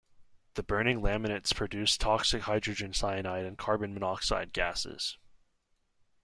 The burning laminates produced toxic hydrogen cyanide and carbon monoxide gases.